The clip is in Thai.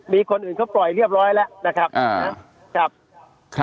มีคนอื่นเขาปล่อยเรียบร้อยแล้วนะครับ